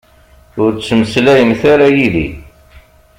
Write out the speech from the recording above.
Ur ttmeslayemt ara yid-i.